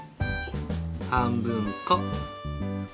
はんぶんこ。